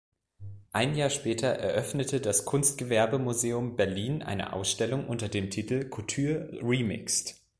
Ein Jahr später eröffnete das Kunstgewerbemuseum Berlin eine Ausstellung unter dem Titel "couture remixed".